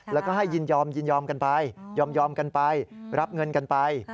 แล้วก็ให้ยินยอมยินยอมกันไปยอมกันไปรับเงินกันไป